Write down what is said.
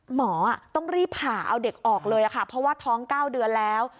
หมอต้องรีบผ่าเอาเด็กออกเลยค่ะเพราะว่าท้อง๙เดือนแล้ว